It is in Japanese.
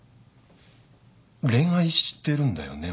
恋愛してるんだよね？